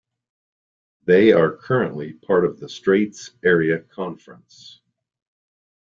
They are currently part of the Straits Area Conference.